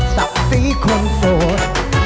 ศักดิ์สีคนโสด